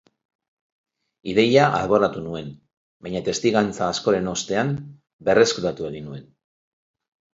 Ideia alboratu nuen, baina testigantza askoren ostean, berreskuratu egin nuen.